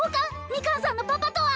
ミカンさんのパパとは！？